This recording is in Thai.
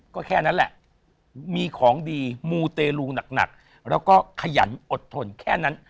ก็แค่นั้นแหละมีของดีมูเตลูหนักแล้วก็ขยันอดทนแค่นั้น